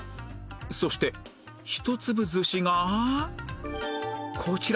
そして一粒寿司がこちら